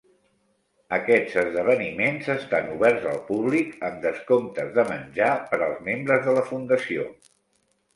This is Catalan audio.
Aquests esdeveniments estan oberts al públic amb descomptes de menjar per als membres de la Fundació.